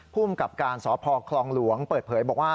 ภูมิกับการสพคลองหลวงเปิดเผยบอกว่า